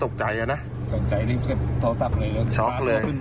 ตกใจคือโทรศัพท์เลย